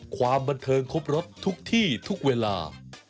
ความบันเทิงครบรถทุกที่ทุกเวลา